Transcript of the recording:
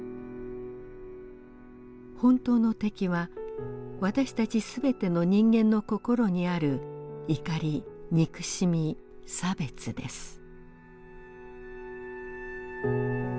本当の敵は私たちすべての人間の心にある『怒り』『憎しみ』『差別』です」。